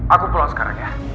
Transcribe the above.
aku pulang sekarang ya